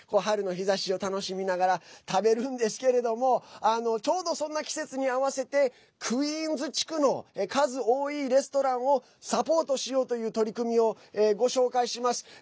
春の日ざしを楽しみながら食べるんですけれどもちょうど、そんな季節に合わせてクイーンズ地区の数多いレストランをサポートしようという取り組みをご紹介します。